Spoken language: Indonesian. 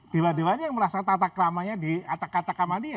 dewa dewanya yang merasa tatak ramanya di atak atak sama dia